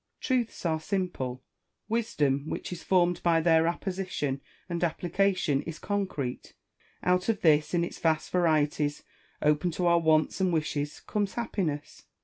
Truths are simple; wisdom, which is formed by their apposition and application, is concrete : out of this, in its vast varieties, open to our wants and wishes, comes happiness.